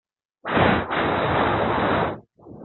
C'est l'espèce-type connue du genre.